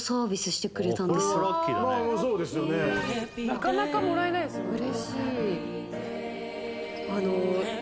なかなかもらえないですもんね。